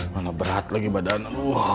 mana berat lagi badan lu